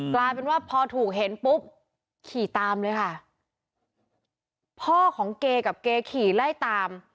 กลายเป็นว่าพอถูกเห็นปุ๊บขี่ตามเลยค่ะพ่อของเกกับเกขี่ไล่ตาม